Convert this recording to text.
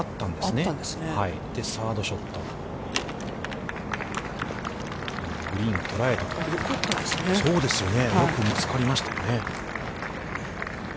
よく見つかりましたね。